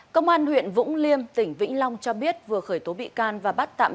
công an huyện vũng liêm tỉnh vĩnh long cho biết vừa khởi tố bị can và bắt tạm